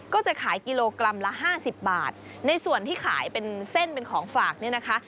ก็จะขายกิโลกรัมละห้าสิบบาทในส่วนที่ขายเป็นเส้นเป็นของฝากเนี่ยนะคะ